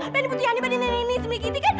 pen putih yanni pen nenek nismikiti kan